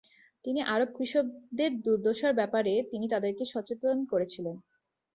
তিনি আরব কৃষকদের দুর্দশার ব্যপারে তিনি তাদেরকে সচেতন করেছিলেন।